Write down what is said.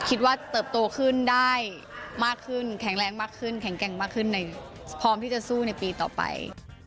เติบโตขึ้นได้มากขึ้นแข็งแรงมากขึ้นแข็งแกร่งมากขึ้นพร้อมที่จะสู้ในปีต่อไป